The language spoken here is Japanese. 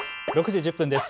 ６時１０分です。